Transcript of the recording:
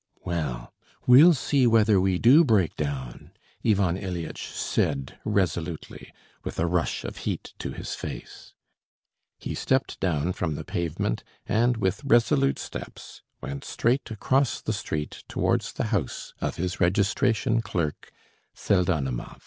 "Well, we'll see whether we do break down!" Ivan Ilyitch said resolutely, with a rush of heat to his face. He stepped down from the pavement and with resolute steps went straight across the street towards the house of his registration clerk Pseldonimov.